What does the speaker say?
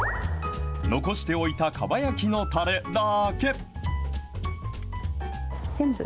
残しておいたかば焼きのたれだけ。